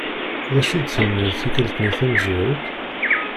Dacu i d-tenniḍ tikkelt-nni tamezwarut?